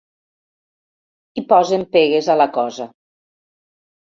Hi posen pegues a la cosa.